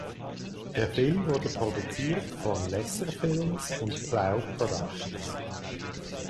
Der Film wurde produziert von Lesser Films und Plough Productions.